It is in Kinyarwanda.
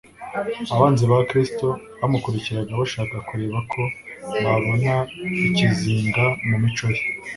abanzi ba Kristo bamukurikiraga bashaka kureba ko babona ikizinga mu mico ye.